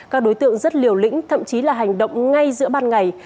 các đối tượng rất liều lĩnh thậm chí là hành động ngay giữa ban ngày